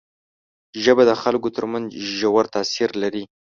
ژبه د خلکو تر منځ ژور تاثیر لري